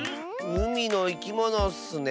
うみのいきものッスね。